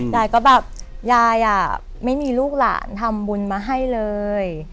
ยายก็แบบยายไม่มีลูกหลานทำบุญมาให้เลย